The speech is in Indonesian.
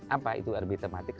apa itu rb tematik